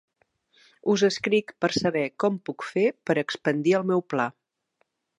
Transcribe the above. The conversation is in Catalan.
Us escric per saber com puc fer per expandir el meu pla.